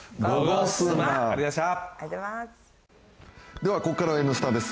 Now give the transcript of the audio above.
ではここからは「Ｎスタ」です。